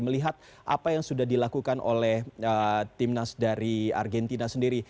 melihat apa yang sudah dilakukan oleh timnas dari argentina sendiri